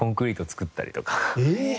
えっ？